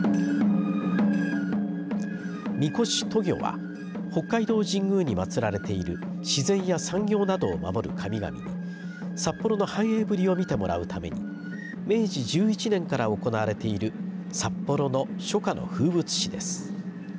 神輿渡御は北海道神宮に祭られている自然や産業などを守る神々に札幌の繁栄ぶりを見てもらうために明治１１年から行われている札幌の初夏の風物詩です。